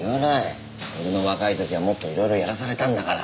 俺の若い時はもっといろいろやらされたんだから。